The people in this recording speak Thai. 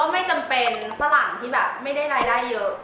ไม่จำเป็นฝรั่งที่แบบไม่ได้รายได้เยอะ